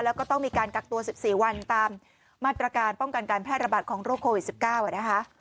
แล้วก็ต้องมีการกักตัว๑๔วันตามมาตรการป้องกันการแพร่ระบาดของโรคโควิด๑๙นะคะ